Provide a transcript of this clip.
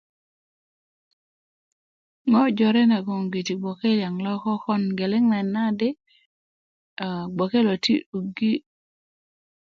ŋo jore naŋ giti gboke liyaŋ lo kokon geleŋ nayit na di a gboke lo ti tugi